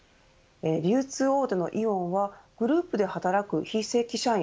流通大手のイオンはグループで働く非正規社員